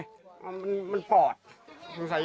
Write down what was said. พูดเหมือนเดิมคือพูดอะไร